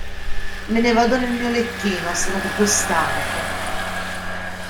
Me ne vado nel mio lettino, sono proprio stanco.